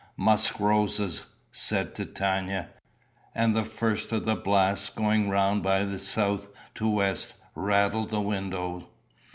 "Musk roses," said Titania; and the first of the blast, going round by south to west, rattled the window.